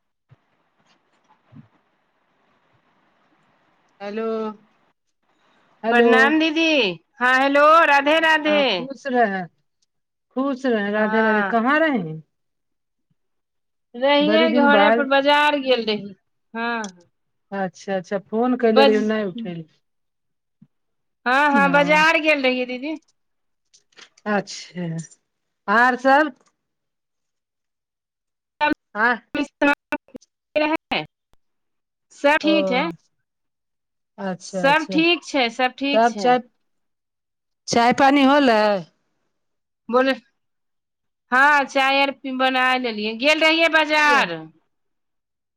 [inaudible] Hello. Hello प्रणाम दीदी। हँ हेलो। राधे हँ खुश रहे, खुश रहें, राधे राधे हँ कहाँ रहे? बड़ी रहियै दिन घरे बाद पर, बाजार गेल रही, हँ। अच्छा अच्छा, फोन कैले बज रहि नहि उठेलखिन। हँ हँ बजार गेल रहियै दीदी। अच्छा, आर सब आ [inaudible] ै [unintelligible] सब ओ ठीक है अच्छा सब अच्छा ठीक छै सब ठीक तब छै च चाय पानि होलै। बोले, हाँ चाय आर बना लेलियै, गेल रहियै बाजार एह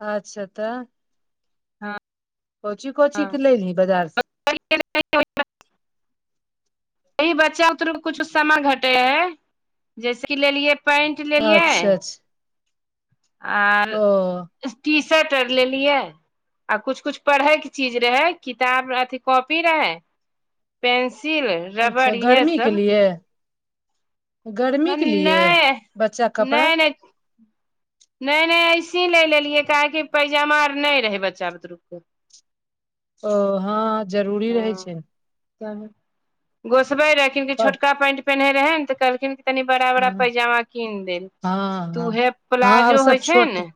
अच्छा तऽ हँ कोइची कोइची के लेलहि बाजारसँ। वही इ बच्चा बुतरुके कुछु समान घटै हैय जैसे कि लेलिए पैंट लेलियै। अच्छा अच्छा आर ओ टी शर्ट आर लेलियै। आ कुछ कुछ पढ़ै के चीज रहै किताब अथी कॉपी रहै। पेंसिल अच्छा रबड़ इहे गर्मी के सब। लिए गर्मी हम के लिए नाइ बच्चा कपड़ा नाइ नाइ नाइ नाइ ऐसे ही ले लेलियै काहेकि पैजामा आर नै रहै बच्चा बुतरुके। ओ हाँ जरूरी रहै छै। त गोसबै रहेखिन कि पर छोटका पैंट पेन्है रहै ने तऽ कहलखिन तनि बड़ा बड़ा हँ पैजामा किन देल हँ तऽ हँ उहे प्लाजो होइ छै ने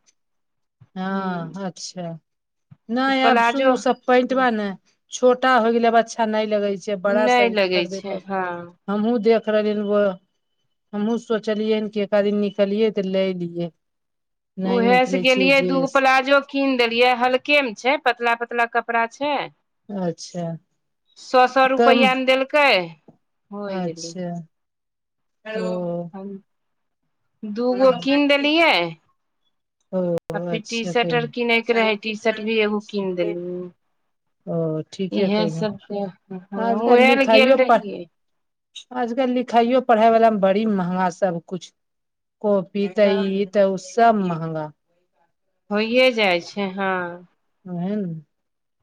ह हां अच्छा तऽ नाइ आब प्लाजो सुर सब पैटबा मे छोटा हो गेलै आब अच्छा नै लगै छै बड़ा नहि साइज लगै खरदे छै परते। हँ हमहुँ देख रहलियेन ग हमहूँ सोचलियै कि एकाध दिन निकलियै तऽ लै लियै नै उएहे से निकलै छी। गेलियै दूगो प्लाजो किन देलियै हल्के मे छै पतला पतला कपड़ा छै। अच्छा। सौ सौ कम रुपैया मे देलकै होइ गेलै अच्छा, ओ। दूगो किन देलियै। आ ओ फिर अच्छा टीशर्ट और कयली किनयैके रहै टीशर्ट भी एगो किन देलियै। ओ ठीके इहे कयली सब तऽ हमहुँ आजकल एल गेल लिखाइयो पढ़ रहियै। आजकल लिखाइयो पड़हाइ बला मे बड़ी महगा सबकुछ कॉपी तऽ तब इ। तब सब महंगा। होइए जाय छै हाँ। उहे नू।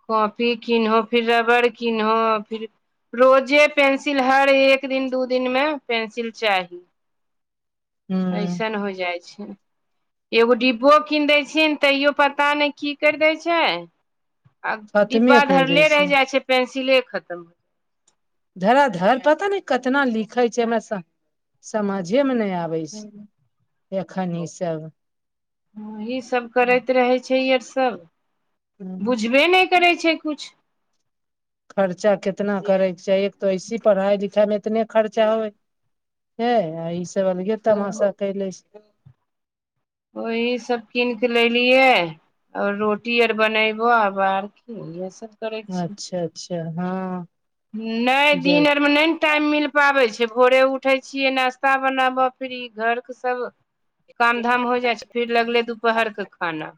कॉपी किनहो फिर रबड़ किनहो फिर- रोजे पेंसिल हर एक दिन दू दिनमे पेंसिल चाहि। हूँ ऐसन हो जाय छै। एगो डिब्बो किन दै छियै तैयो पता नेै कि कैर दै छै। आ डिब्बा खतमे कैर दै धरले रैह जाय छै पेंसिले खत्म। धरा धरा पता ने कितना लिखै छै हमरा समझे में नै आब। है छै एखन इ सब। हूँ इ सब करैत रहै छै ये सब हूँ बुझबे नै करै छै कुछ। खर्चा कितना करै छै एक तऽ ऐसी पड़हाइ लिखाइ मे इतने खर्चा होय। हे इसब अलगे तब तमाशा कैले छै। ओही सब किन के लैलियै। और रोटी और बनेबो आब आर कि इहे सब- करै अच्छा अच्छा हँ। नै इजर दिन आरमे नै। टाइम मिल पाबै छै भोरे उठै छियै नास्ता बनाबऽ फ्री घर के सब- काम धाम हो जाय छै फिर लगले दुपहर के खाना।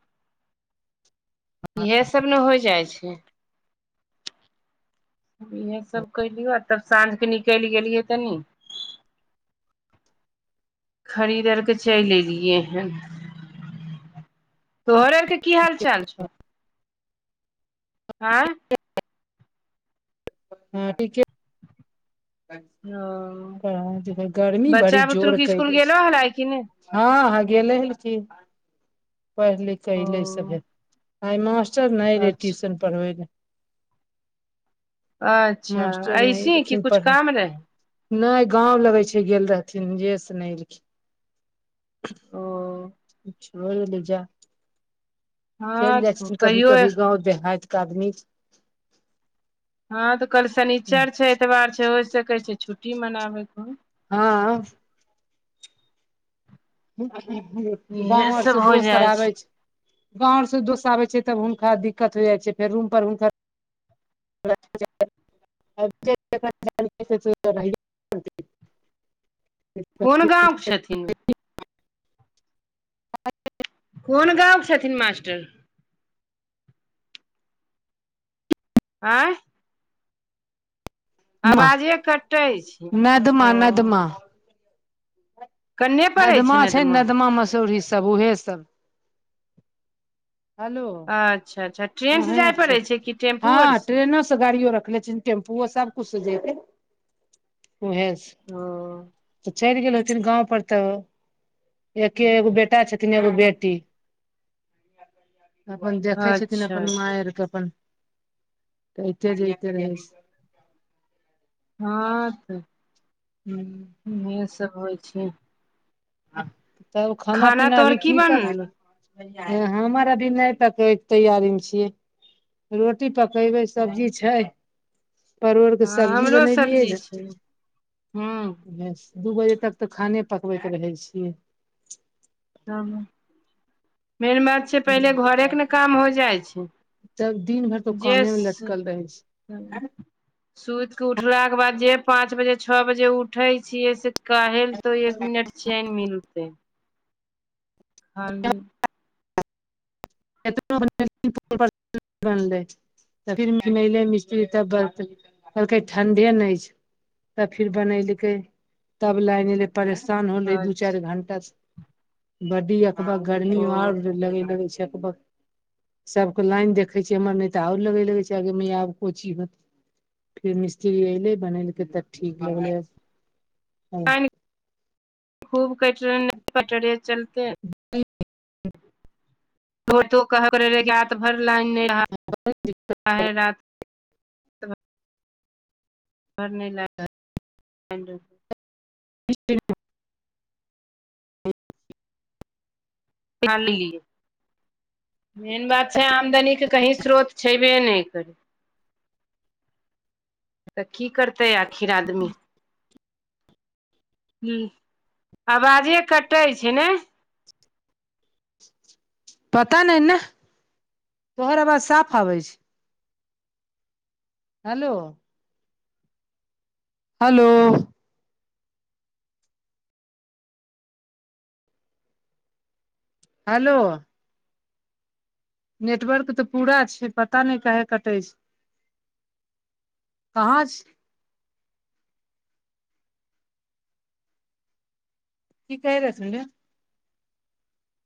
इहे सब ने हो जाय छै। इहे सब कैलियो आ तब साँझके निकैल गेलियै तनी। खरीद और के चैल एलियै हन। तोहरे के कि हाल चाल छौ? आँ हँ ठीके- तऽ ओ कि कहै गर्मी बड़ी बच्चा बुतरुक जोर स्कुल केैले गेलो छै। हलाइ कि नहि हँ हँ गेलेै हन की पढ़ लिख के एले ओ सभे। आ मास्टर नै रहेै अच्छा ट्यूशन पड़बेै लेेए। अच्छा ऐसी की कुछ काम रहै? नै गाँंव लगै छै गेल रहथिन जेस नै एलखिन। ओ- हो गेलै जा हँ चैल जाय तो छथीन कभी कहियो -कभी गाँव देहात के आदमी छ हँ तऽ कल शनिचर छै एतबार छै होय सकै छै छुट्टी मनाबैके होइ। हँ। [unintelligible] इएह गाँंव और सब से हो दोस्त आर जाइ आबै छै। गाँव से दोस्त आबेै छै तब हुनका दिक्कत हो जाय छै फेर रूम पर हुनकर। [inaudible] कोन गाँव के छथिन? कोन गाँव छथिन मास्टर? आँय? अबाजे कटै छै नदमा ओ- नदमा कन्ने पड़ै नदमा ने छै दमा नदमा मसूरी सब उएहे सब- हलो अच्छा अच्छा ट्रेनसँ अहे जाय आर छै पड़ै कि टेम्पू आर हां ट्रेनो से गाड़ियो रखले छियै। टेम्पूओ सबकुछ से जेतै उएह ओ से चलि गेल होथिन गाँंव पर तऽ एके एगो बेटा छैय। छथिन एगो बेटी अपन देखै छथिन। अच्छा अच्छा आइर के अपन अइते-जइते रहै छथिन। हां तेय हूं इह सब होइ छैय। तब खाना खाना-पीना तोहर अभी की पक बनल तऽ हमर अभी नै पकै के तैयारी मे छियै रोटी पक पकेबै सब्जी हँ छैय। परोरके सब्जी हमरो बनेलियै सब्जी रेह छै हूँ दू बजे तक तेयऽ खाने पकबैत रहै छियै। त मेन बात छै, पहिले घोरेके ने काम हो जाइ छैय। तब दिन भरि तऽ जे कामे मे लटकल रहै छै सुति कऽ उठलाके बाद जे पाँच बजे छओ बजे उठैय छियै से कहाले तऽ एक मिनट चैन मिलतै। खाली नै [unintelligible] तऽ फिरमेले मिस्त्री तब ब कहलकै ठण्डे नै छै। तब फिर बनलकै तब लाइन एले परेशान होलै दू अच्छा चारि घंटा से बड्डी अखबार गर्मी ओ और लगे लागे छैय। सबके लाइन देखे छियै, हमर नै तऽ और लगे लागे छै, आगे मैया आब को ची होत फिर मिस्त्री ऐले बनेलकै तब ठीक भऽ गेलै ओ खूब कटरे-पटरे चलतै। तो कहब रहै राति भरि लाइन नैय रह रात घर नै ल [unintelligible] नि [unintelligible] खाली मेन बात छैय। आमदनी के कहि स्रोत छैबे नैय करै तऽ कग करतै आखिर आदमी हूँ आवाजे कटै छैय नेय पता नैय नैह तोहर आवाज साफ आबै छैय। हलो हलो हलो नेटवर्क तऽ पूरा छैय पता नैय काहे कटैय छैय। कहाँ छैय। की कहय रहथून रे